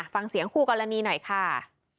คุณผู้กรณีหน่อยค่ะ